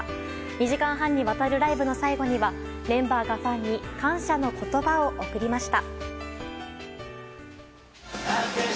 ２時間半にわたるライブの最後にはメンバーがファンに感謝の言葉を送りました。